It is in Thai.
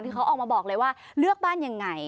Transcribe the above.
คือเขาออกมาบอกเลยว่าเลือกบ้านยังไง